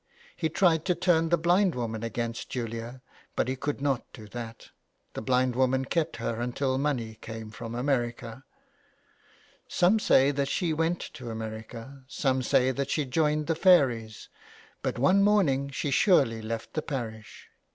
He tried to turn the blind woman against Julia, but he could not do that ; the blind woman kept her until money came from America. Some say that she went 218 JULIA CAHILL'S CURSE. to America ; some say that she joined the fairies. But one morning she surely left the parish.